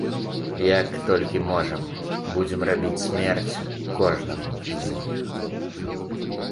Як толькі можам, будзем рабіць смерць кожнаму з іх.